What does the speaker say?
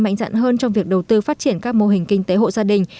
mạnh dạn hơn trong việc đầu tư phát triển các mô hình kinh tế hộ gia đình